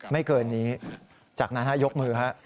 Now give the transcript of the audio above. ไม่เกินนี้จากนั้นยกมือฮะ